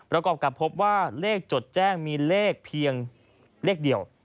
ประกอบกับพบว่าเลขจดแจ้งมีเลขเพียงเลขเดียว